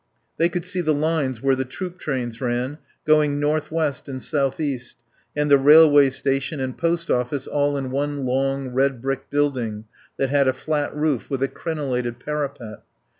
They could see the lines where the troop trains ran, going northwest and southeast, and the railway station and post office all in one long red brick building that had a flat roof with a crenellated parapet.